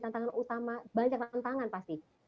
tantangan utama banyak tantangan pasti